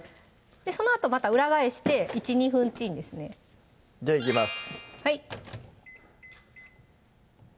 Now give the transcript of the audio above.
そのあとまた裏返して１２分チンですねではいきます